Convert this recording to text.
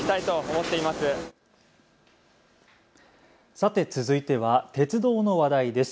さて続いては鉄道の話題です。